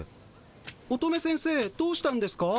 乙女先生どうしたんですか？